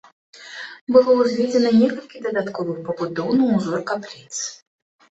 Было ўзведзена некалькі дадатковых пабудоў на ўзор капліц.